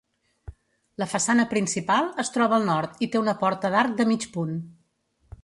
La façana principal es troba al nord i té una porta d'arc de mig punt.